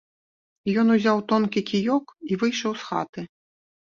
Ён узяў тонкі кіёк і выйшаў з хаты.